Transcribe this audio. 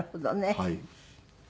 はい。